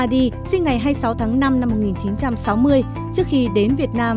vì chúng tôi có thể gặp quốc gia việt nam